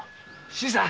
新さん。